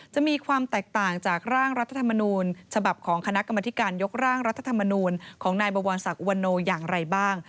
มีความแตกต่างจากร่างรัฐธรรมนูญฉบับของคณะกรรมธิการยกร่างรัฐธรรมนูลของนายบวรศักดิอุวันโนอย่างไรบ้าง